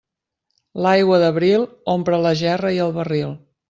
L'aigua d'abril omple la gerra i el barril.